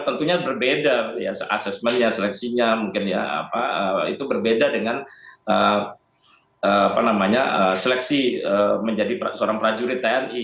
tentunya berbeda assessmentnya seleksinya mungkin ya itu berbeda dengan seleksi menjadi seorang prajurit tni